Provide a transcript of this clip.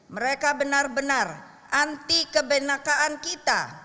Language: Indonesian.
mereka benar benar anti kebenakaan kita